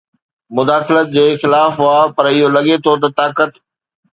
مداخلت جي خلاف هئا پر اهو لڳي ٿو ته طاقت